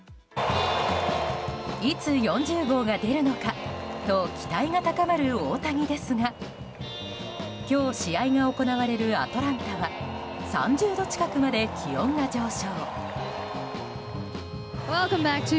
いつ４０号が出るのかと期待が高まる大谷ですが今日試合が行われるアトランタは３０度近くまで気温が上昇。